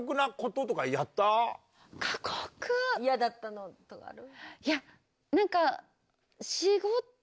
嫌だったのとかある？